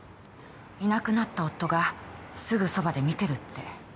いなくなった夫がすぐそばで見てるって。